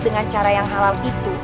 dengan cara yang halal itu